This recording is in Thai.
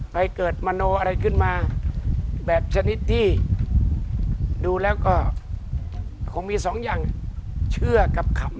เกิดมโนอะไรขึ้นมาแบบชนิดที่ดูแล้วก็คงมีสองอย่างเชื่อกับคำ